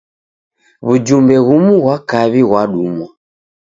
W'ujumbe ghumu ghwa kaw'i ghwadumwa.